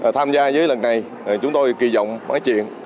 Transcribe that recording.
tham gia với lần này chúng tôi kỳ vọng mấy chuyện